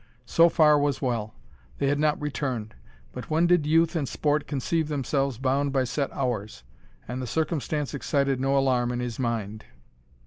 So far was well. They had not returned; but when did youth and sport conceive themselves bound by set hours? and the circumstance excited no alarm in his mind.